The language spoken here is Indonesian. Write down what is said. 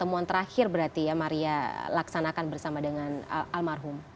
temuan terakhir berarti ya maria laksanakan bersama dengan almarhum